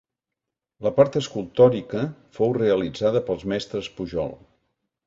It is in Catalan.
La part escultòrica fou realitzada pels mestres Pujol.